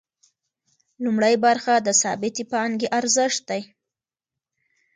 لومړۍ برخه د ثابتې پانګې ارزښت دی